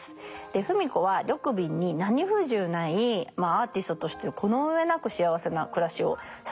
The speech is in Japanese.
芙美子は緑敏に何不自由ないアーティストとしてこの上なく幸せな暮らしをさせたのではないでしょうか。